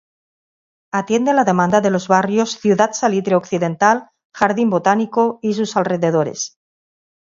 Atiende la demanda de los barrios Ciudad Salitre Occidental, Jardín Botánico y sus alrededores.